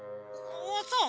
そう？